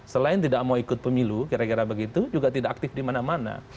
selain tidak mau ikut pemilu kira kira begitu juga tidak aktif di mana mana